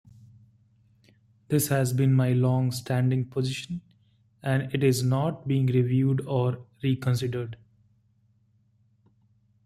This has been my long-standing position, and it is not being reviewed or reconsidered.